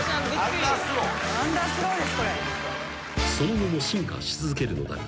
［その後も進化し続けるのだが］